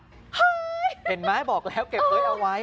เห็นไหมบอกแล้วเก็บไว้เอาไว้